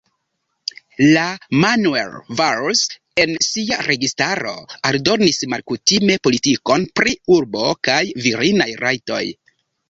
La Manuel Valls en sia registaro aldonis malkutime politikon pri urbo kaj virinaj rajtoj.